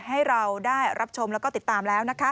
ให้เราได้รับชมและติดตามแล้ว